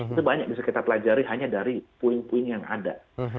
itu banyak bisa kita pelajari hanya dari puing puing yang ada